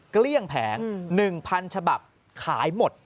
เกลี้ยงแผง๑๐๐๐ฉบับขายหมด